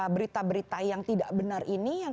berita berita yang tidak benar ini yang